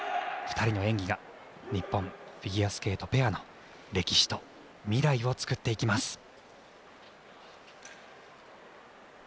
２人の演技が日本フィギュアスケートペアの歴史と未来を作っていきます。